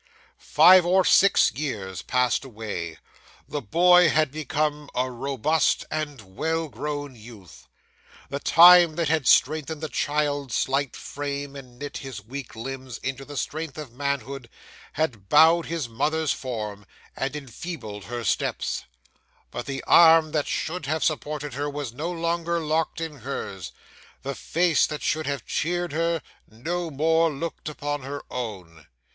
'Five or six years passed away; the boy had become a robust and well grown youth. The time that had strengthened the child's slight frame and knit his weak limbs into the strength of manhood had bowed his mother's form, and enfeebled her steps; but the arm that should have supported her was no longer locked in hers; the face that should have cheered her, no more looked upon her own.